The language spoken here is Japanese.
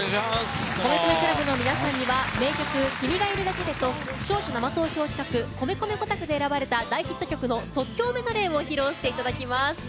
米米ＣＬＵＢの皆さんには名曲「君がいるだけで」と視聴者生投票企画米米５択で選ばれた大ヒット曲の即興メドレーを披露していただきます。